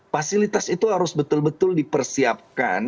fasilitas itu harus betul betul dipersiapkan